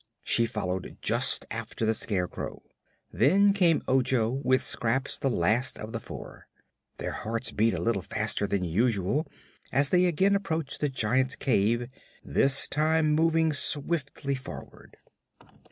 She followed just after the Scarecrow. Then came Ojo, with Scraps the last of the four. Their hearts beat a little faster than usual as they again approached the Giant's cave, this time moving swiftly forward.